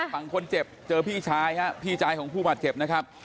ฝั่งคนเจ็บเจอพี่ชายฮะพี่ชายของผู้บาดเจ็บนะครับ